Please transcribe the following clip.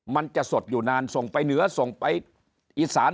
มันจะสดอยู่นานส่งไปเหนือส่งไปอีสาน